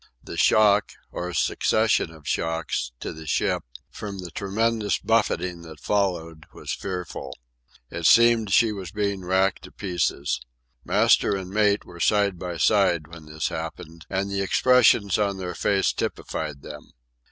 The shock, or succession of shocks, to the ship, from the tremendous buffeting that followed, was fearful. It seemed she was being racked to pieces. Master and mate were side by side when this happened, and the expressions on their faces typified them.